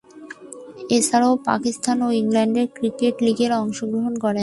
এছাড়াও, পাকিস্তান ও ইংল্যান্ডের ক্রিকেট লীগে অংশগ্রহণ করেন।